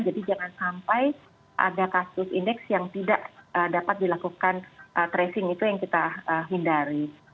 jadi jangan sampai ada kasus indeks yang tidak dapat dilakukan tracing itu yang kita hindari